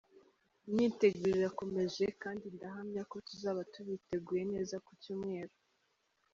“Imyiteguro irakomeje kandi ndahamya ko tuzaba tubiteguye neza ku Cyumweru.